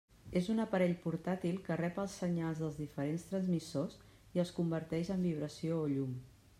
És un aparell portàtil que rep els senyals dels diferents transmissors i els converteix en vibració o llum.